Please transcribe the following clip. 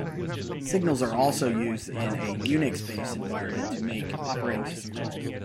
Signals are also used in a Unix-based environment to make operating system calls.